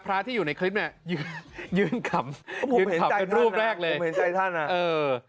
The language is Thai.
พระที่อยู่ในคลิปเนี่ยยืนยืนขำยืนขำเป็นรูปแรกเลยผมเห็นใจท่านอ่ะเออ